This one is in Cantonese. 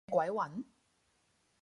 佢嘅鬼魂？